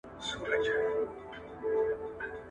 شاه حسين هوتک د پښتو ژبې پالونکی و او خپل اشعار يې هم ويل.